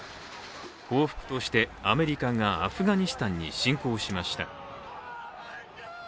報復として、アメリカがアフガニスタンに侵攻しました。